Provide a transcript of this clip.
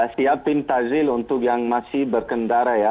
siapin tazil untuk yang masih berkendara ya